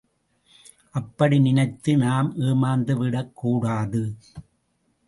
அப்படி நினைத்து நாம் ஏமாந்துவிடக்கூடாது.